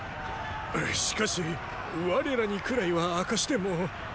しかし我らにくらいは明かしても。